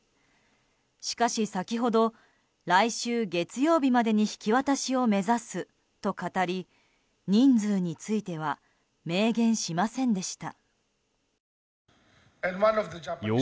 しかし先ほど、来週月曜日までに引き渡しを目指すと語り人数については明言しませんでした。